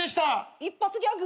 一発ギャグ。